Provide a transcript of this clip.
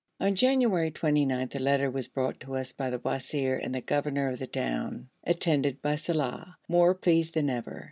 On January the 29th a letter was brought to us by the wazir and the governor of the town, attended by Saleh, more pleased than ever.